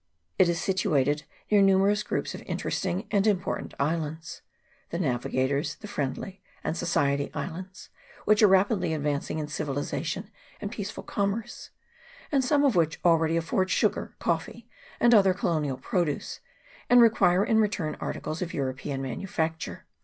It is situated near numerous groups of interesting and important islands the Navi gators, the Friendly, and Society Islands, which are rapidly advancing in civilization and peaceful commerce, and some of which already afford sugar, coffee, and other colonial produce, and require in return articles of European manufacture.